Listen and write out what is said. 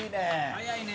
早いね！